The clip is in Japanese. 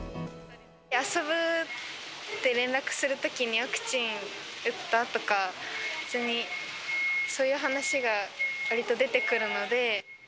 遊ぶって連絡するときに、ワクチン打った？とか、普通に、そういう話がわりと出てくるので。